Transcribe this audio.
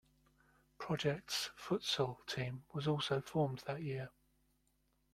Project's futsal team, was also formed that year.